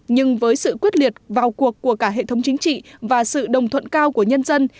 nhưng với sự quyết liệt vào cuộc của cả hệ thống chính trị và sự đồng thuận cao của nhân dân